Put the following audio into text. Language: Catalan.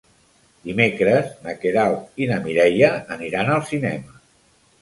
Dimecres na Queralt i na Mireia aniran al cinema.